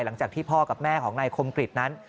หลังจากที่พ่อกับแม่ของนายคมกริจนั้น